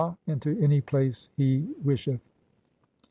INTO ANY PLACE HE WISHETH.